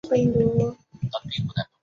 前妻是演歌歌手藤圭子。